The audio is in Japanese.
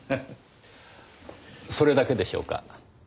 それだけでしょうか？